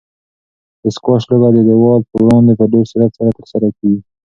د سکواش لوبه د دیوال په وړاندې په ډېر سرعت سره ترسره کیږي.